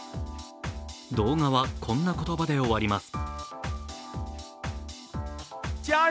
動画はこんな言葉で終わります。